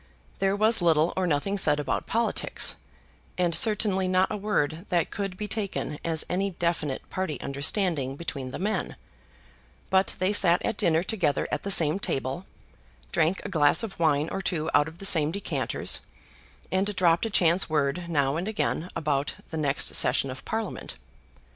There was little or nothing said about politics, and certainly not a word that could be taken as any definite party understanding between the men; but they sat at dinner together at the same table, drank a glass of wine or two out of the same decanters, and dropped a chance word now and again about the next session of Parliament.